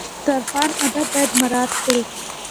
د دسترخوان آداب باید مراعات کړو.